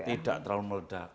tidak terlalu meledak